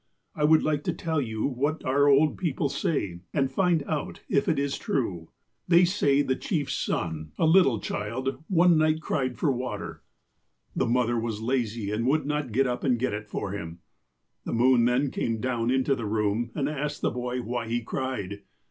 I would like to tell you what our old people say, and find out if it is true. They say that the chief's son, 100 THE APOSTLE OF ALASKA a little child, one night cried for water. The mother was lazy, and would not get up and get it for him. The moon then came down into the room, and asked the boy why he cried.